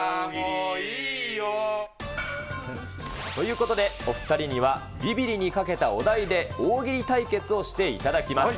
いいよ。ということで、お２人にはビビリにかけたお題で大喜利対決をしていただきます。